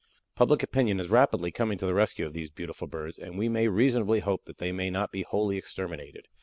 Public opinion is rapidly coming to the rescue of these beautiful birds, and we may reasonably hope that they may not be wholly exterminated.